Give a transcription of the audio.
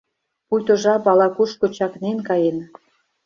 Пуйто жап ала-кушко чакнен каен.